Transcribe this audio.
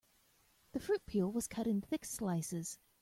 The fruit peel was cut in thick slices.